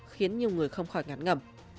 khiến nhiều người không khỏi ngắn ngẩm